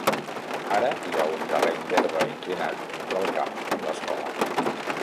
Ara hi ha un terreny d'herba inclinat entre el camp i l'escola.